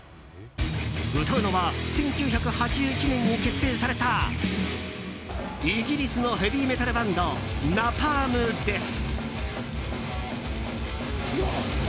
歌うのは１９８１年に結成されたイギリスのヘビーメタルバンドナパーム・デス。